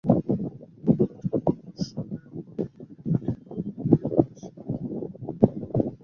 দুপুরবেলাটা বন্ধুর সঙ্গে গল্প করিয়া কাটাইয়া বেলা পড়িয়া আসিলে কুমুদ বিদায় গ্রহণ করিল।